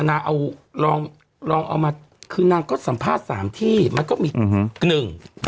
นางเอาลองลองเอามาคือนางก็สัมภาษณ์สามที่มันก็มีอืมหนึ่ง